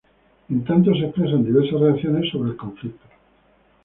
En tanto se expresan diversas reacciones sobre el conflicto.